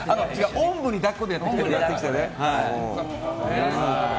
おんぶに抱っこでやってきてね。